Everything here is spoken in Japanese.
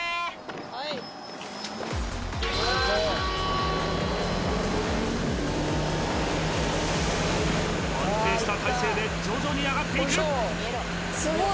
はい安定した体勢で徐々に上がっていく